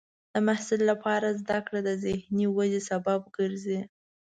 د محصل لپاره زده کړه د ذهني ودې سبب ګرځي.